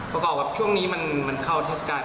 ประกอบกับช่วงนี้มันเข้าเทศกาล